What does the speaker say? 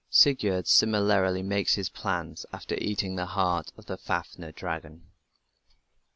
Sigurd similarly makes his plans after eating the heart of the Fafner dragon.